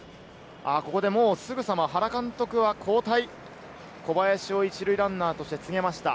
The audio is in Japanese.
ここでもう、すぐさま原監督は交代、小林を１塁ランナーとして告げました。